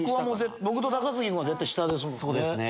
僕と高杉君は絶対下ですもんね。